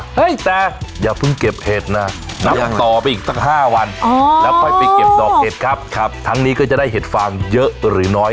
เฮ้ยแต่อย่าเพิ่งเก็บเห็ดนะนับต่อไปอีกสัก๕วันแล้วค่อยไปเก็บดอกเห็ดครับทั้งนี้ก็จะได้เห็ดฟางเยอะหรือน้อย